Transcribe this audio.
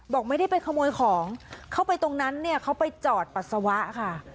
บอกไม่ได้ไปขโมยของเข้าไปตรงนั้นเนี่ยเขาไปจอดปัสสาวะค่ะ